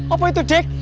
apa itu dik